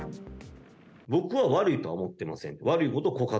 僕は悪いとは思ってません。